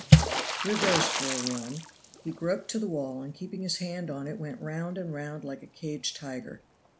Here goes for a warm." He groped to the wall, and keeping his hand on it went round and round like a caged tiger.